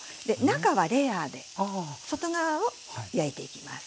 中はレアで外側を焼いていきます。